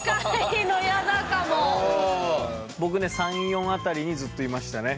僕ね３４辺りにずっといましたね。